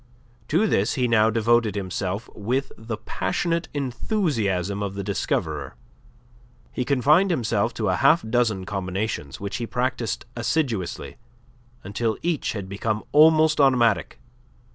To this he now devoted himself with the passionate enthusiasm of the discoverer. He confined himself to a half dozen combinations, which he practised assiduously until each had become almost automatic.